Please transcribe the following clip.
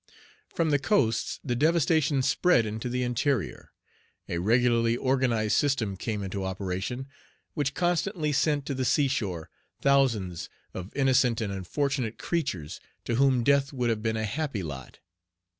From the coasts the devastation spread into the interior. A regularly organized system came into operation, which constantly sent to the sea shore thousands of innocent Page 29 and unfortunate creatures to whom death would have been a happy lot.